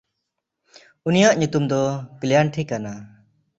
ᱩᱱᱤᱭᱟᱜ ᱧᱩᱛᱩᱢ ᱫᱚ ᱠᱞᱮᱭᱟᱱᱴᱷᱤ ᱠᱟᱱᱟ᱾